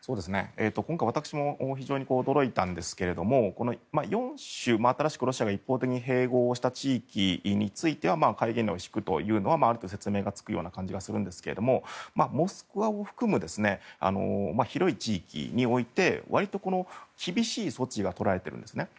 今回私も非常に驚いたんですが４州、新しくロシアが一方的に併合した地域については戒厳令を敷くというのはある程度説明がつく感じがするんですがモスクワを含む広い地域において割と厳しい措置が取られているんですね。